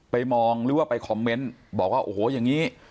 มองหรือว่าไปคอมเมนต์บอกว่าโอ้โหอย่างนี้